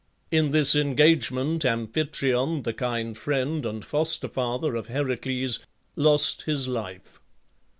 In this engagement Amphitryon, the kind friend and foster father of Heracles, lost his life.